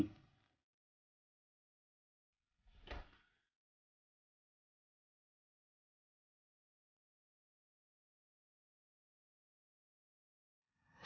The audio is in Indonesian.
saya gak peduli